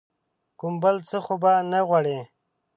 کوم بل څه خو به نه غواړې ؟